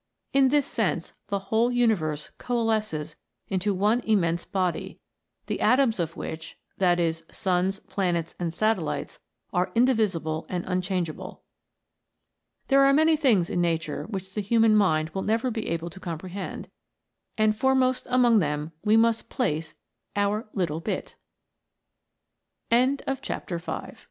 In this sense the whole universe coalesces into one immense body, the atoms of which that is, suns, planets, and satellites are indivisible and unchangeable ! There are many things in nature which the human mind will never be able to comprehend ; and fore most among them